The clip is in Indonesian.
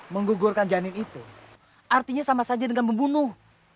menggugurkan janin itu artinya sama saja dengan membunuh